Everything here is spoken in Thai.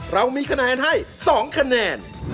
เรามีคะแนนให้๒คะแนน